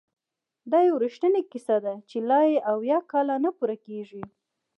دا یو رښتینې کیسه ده چې لا یې اویا کاله نه پوره کیږي!